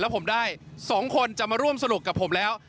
ผมได้๒คนจะมาร่วมสนุกกับผมแล้ว